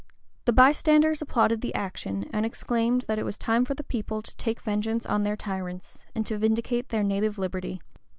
The bystanders applauded the action, and exclaimed, that it was full time for the people to take vengeance on their tyrants, and to vindicate their native liberty.